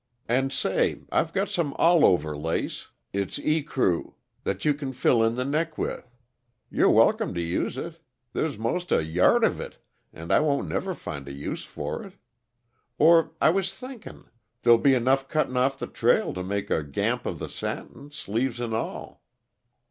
"And say! I've got some allover lace it's eecrue that you can fill in the neck with; you're welcome to use it there's most a yard of it, and I won't never find a use for it. Or I was thinkin', there'll be enough cut off'n the trail to make a gamp of the satin, sleeves and all."